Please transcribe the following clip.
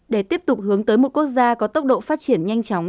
để tiếp tục hướng tới một quốc gia có tốc độ phát triển nhanh chóng